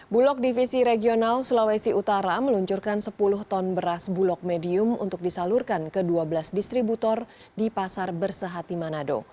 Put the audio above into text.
bulog divisi regional sulawesi utara meluncurkan sepuluh ton beras bulog medium untuk disalurkan ke dua belas distributor di pasar bersehati manado